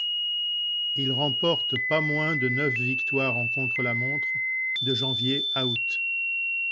Il remporte pas moins de neuf victoires en contre-la-montre de janvier à août.